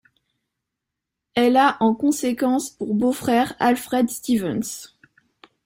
Elle a en conséquence pour beau-frère Alfred Stevens.